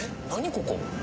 ここ。